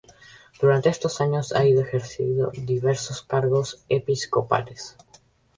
Durante estos años ha ejercido diversos cargos episcopales.